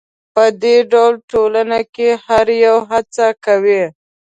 په دې ډول ټولنو کې هر یو هڅه کوي